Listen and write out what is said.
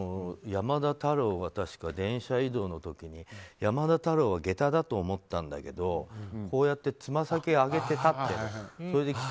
山田太郎が確か電車移動の時に山田太郎は下駄だと思ったんだけどこうやってつま先を上げて立っていると。